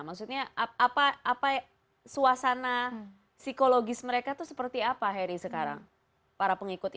maksudnya suasana psikologis mereka itu seperti apa heri sekarang